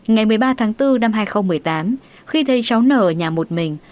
ngày một mươi ba tháng bốn năm hai nghìn một mươi tám khi thấy cháu nở ở nhà một mình